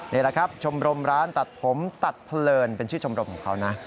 นี่แหละครับชมรมร้านตัดผมตัดเพลินเป็นชื่อชมรมของเขานะ